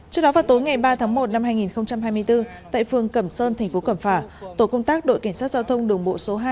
trước đó vào tối ngày ba tháng một năm hai nghìn hai mươi bốn tại phường cẩm sơn thành phố cẩm phả tổ công tác đội cảnh sát giao thông đường bộ số hai